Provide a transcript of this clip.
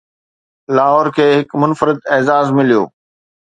لاهور کي هڪ منفرد اعزاز مليو